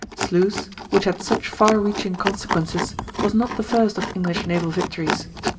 Sluys, which had such far reaching consequences, was not the first of English naval victories.